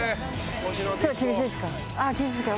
厳しいですか？